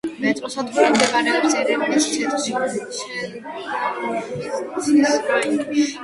მეტროსადგური მდებარეობს ერევნის ცენტრში, შენგავითის რაიონში.